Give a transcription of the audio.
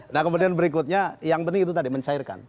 nah kemudian berikutnya yang penting itu tadi mencairkan